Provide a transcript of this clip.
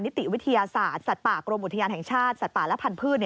ติวิทยาศาสตร์สัตว์ป่ากรมอุทยานแห่งชาติสัตว์ป่าและพันธุ์